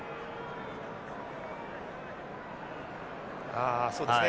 あそうですね。